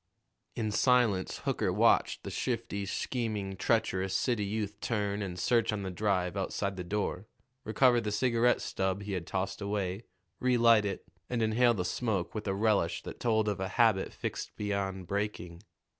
In silence Hooker watched the shifty, scheming, treacherous city youth turn and search on the drive outside the door, recover the cigarette stub he had tossed away, relight it, and inhale the smoke with a relish that told of a habit fixed beyond breaking.